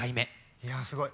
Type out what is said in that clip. いやすごい！